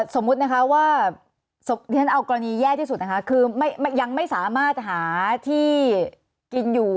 สมมุตินะคะว่าที่ฉันเอากรณีแย่ที่สุดนะคะคือยังไม่สามารถหาที่กินอยู่